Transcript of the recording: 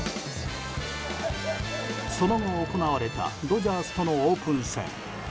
その後、行われたドジャースとのオープン戦。